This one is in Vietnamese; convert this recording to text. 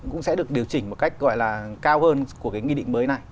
cũng sẽ được điều chỉnh một cách gọi là cao hơn của cái nghị định mới này